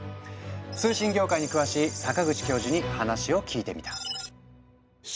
通信業界に詳しい阪口教授に話を聞いてみた。